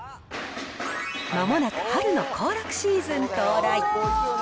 まもなく春の行楽シーズン到来。